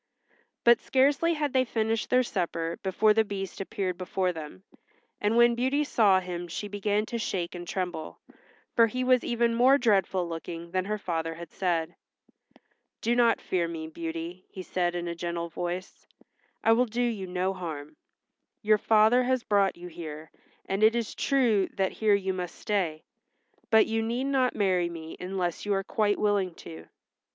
But scarcely had they finished their supper before the Beast appeared before them, and when Beauty saw him she began to shake and tremble, for he was even more dreadful looking than her father had said. "Do not fear me, Beauty," he said in a gentle voice. "I will do you no harm. Your father has brought you here, and it is true that here you must stay, but you need not marry me unless you are quite willing to."